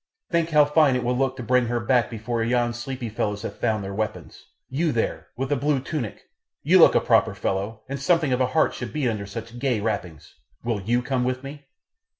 Think how fine it will look to bring her back before yon sleepy fellows have found their weapons. You, there, with the blue tunic! you look a proper fellow, and something of a heart should beat under such gay wrappings, will you come with me?"